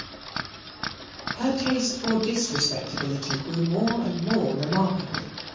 Her taste for disrespectability grew more and more remarkable.